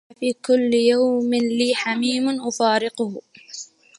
أفي كل يوم لي حميم أفارقه